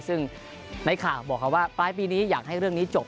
ซึ่งในข่าวบอกเขาว่าปลายปีนี้อยากให้เรื่องนี้จบ